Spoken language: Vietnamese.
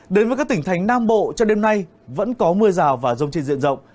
đến với các tỉnh thành nam bộ cho đêm nay vẫn có mưa rào và rông trên diện rộng